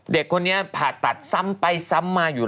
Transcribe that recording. เด็กคนนี้ผ่าตัดซ้ำไปซ้ำมาอยู่